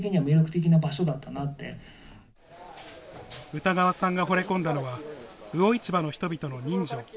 歌川さんがほれ込んだのは、魚市場の人々の人情。